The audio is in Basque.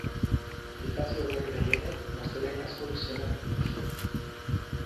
Aplikazio berri gehienek gaztelaniazko izenak dituzte.